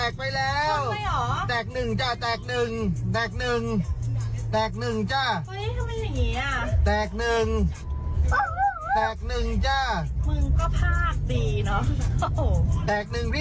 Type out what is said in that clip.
กว่ากมือเรียกดีกว่ากมือเรียกแล้วนะ